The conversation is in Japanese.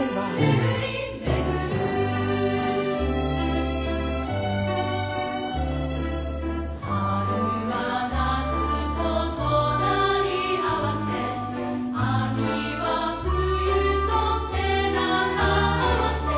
「めぐりめぐる」「春は夏と隣り合わせ」「秋は冬と背中合わせ」